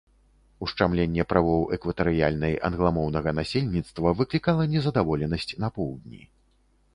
Ушчамленне правоў экватарыяльнай англамоўнага насельніцтва выклікала незадаволенасць на поўдні.